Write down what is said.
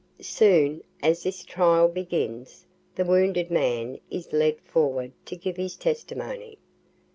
Soon as this trial begins the wounded man is led forward to give his testimony.